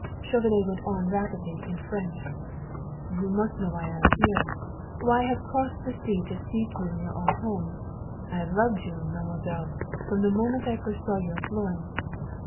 Chauvenet went on rapidly in French: "You must know why I am here why I have crossed the sea to seek you in your own home. I have loved you, Mademoiselle, from the moment I first saw you in Florence.